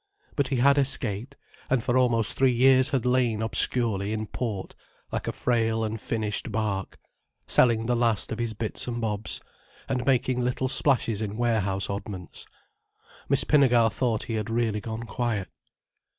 But he had escaped, and for almost three years had lain obscurely in port, like a frail and finished bark, selling the last of his bits and bobs, and making little splashes in warehouse oddments. Miss Pinnegar thought he had really gone quiet.